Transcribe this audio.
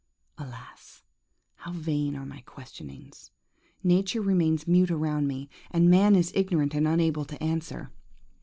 Alas! how vain are my questionings! nature remains mute around me, and man is ignorant and unable to answer.